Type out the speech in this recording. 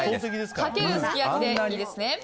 かけるすき焼でいいですね。